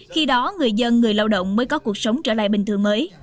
khi đó người dân người lao động mới có cuộc sống trở lại bình thường mới